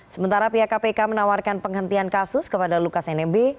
sementara pihak kpk menawarkan penghentian kasus kepada lukas nmb